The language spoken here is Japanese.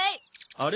あれ？